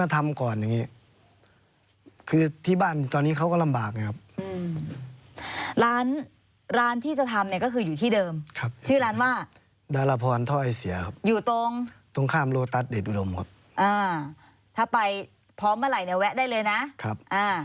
แล้วว่าเนื่องจากบ้านอยู่ใกล้แล้วก็ซู่กับพี่บอยเขามาด้วยนะครับ